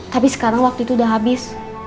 tapi sekarang waktu itu udah habis